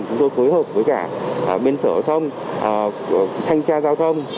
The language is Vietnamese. chúng tôi phối hợp với cả bên sở hữu thông thanh tra giao thông